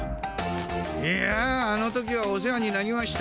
いやあの時はお世話になりました。